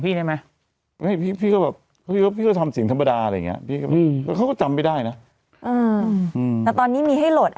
พี่รู้หรือเปล่าพวกนี้เขาโทรมาเขาจำเสียงพี่ได้ไหม